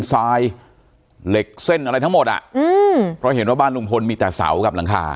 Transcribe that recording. ทรายเหล็กเส้นอะไรทั้งหมดอ่ะอืมเพราะเห็นว่าบ้านลุงพลมีแต่เสากับหลังคา